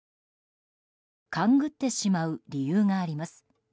勘ぐってしまう理由があります。